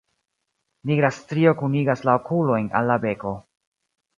Nigra strio kunigas la okulojn al la beko.